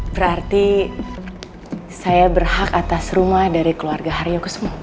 berarti saya berhak atas rumah dari keluarga haryu kusumo